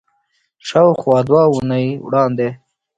شاوخوا دوه اونۍ وړاندې